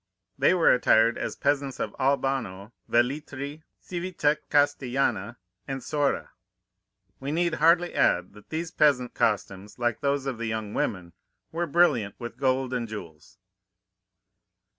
They were attired as peasants of Albano, Velletri, Civita Castellana, and Sora. We need hardly add that these peasant costumes, like those of the young women, were brilliant with gold and jewels.